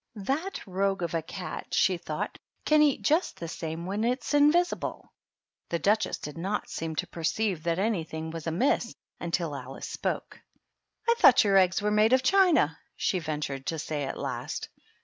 "That rogue of a cat," she thought, "can eat just the same when it's invisible !" The Duchess did not seem to perceive that any thing was amiss until Alice spoke. "I thought your eggs were made of china?" she ventured to say, at last.